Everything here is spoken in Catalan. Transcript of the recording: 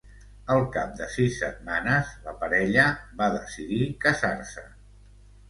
Al cap de sis setmanes, la parella va decidir casar-se.